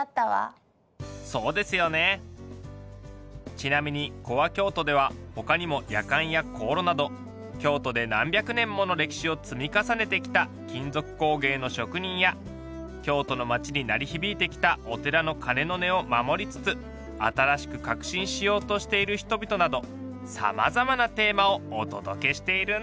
ちなみに「ＣｏｒｅＫｙｏｔｏ」では他にもやかんや香炉など京都で何百年もの歴史を積み重ねてきた金属工芸の職人や京都の町に鳴り響いてきたお寺の鐘の音を守りつつ新しく革新しようとしている人々などさまざまなテーマをお届けしているんですよ。